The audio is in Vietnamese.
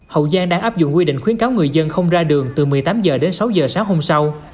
hậu giang đang áp dụng quy định khuyến cáo người dân không ra đường từ một mươi tám h đến sáu h sáng hôm sau